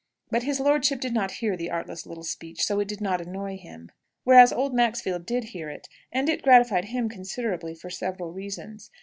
But his lordship did not hear the artless little speech, so it did not annoy him; whereas old Max did hear it, and it gratified him considerably for several reasons.